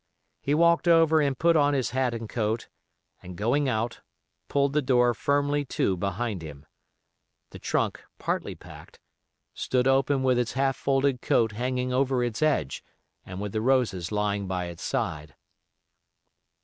He walked over and put on his hat and coat, and going out, pulled the door firmly to behind him. The trunk, partly packed, stood open with the half folded coat hanging over its edge and with the roses lying by its side.